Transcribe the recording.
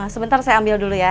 sebentar saya ambil dulu ya